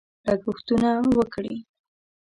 لګښتونه وکړي.